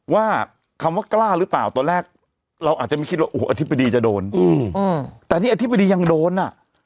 ว่าคำว่ากล้าหรือเปล่าตอนแรกเราอาจจะไม่คิดว่าโอ้โหอธิบดีจะโดนแต่นี่อธิบดียังโดนอ่ะ